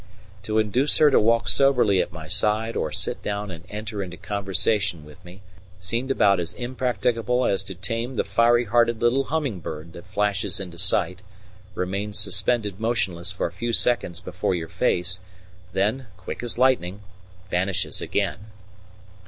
To induce her to walk soberly at my side or sit down and enter into conversation with me seemed about as impracticable as to tame the fiery hearted little humming bird that flashes into sight, remains suspended motionless for a few seconds before your face, then, quick as lightning, vanishes again.